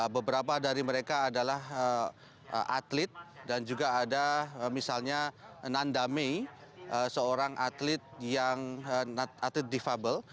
beberapa dari mereka adalah atlet dan juga ada misalnya nanda mei seorang atlet yang atlet defable